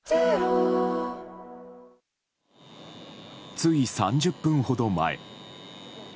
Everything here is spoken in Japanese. つい３０分ほど前。